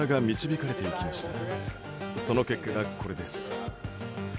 その結果がこれです。